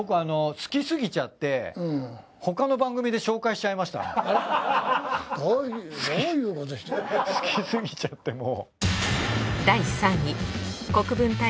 好き過ぎちゃってもう。